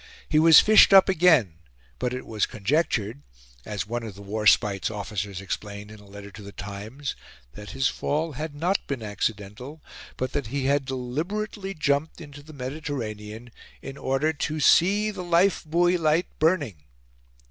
He was fished up again; but it was conjectured as one of the Warspite's officers explained in a letter to The Times that his fall had not been accidental, but that he had deliberately jumped into the Mediterranean in order to "see the life buoy light burning."